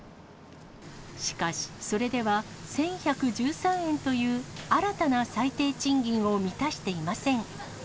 しかし、それでは１１１３円という新たな最低賃金を満たしていません。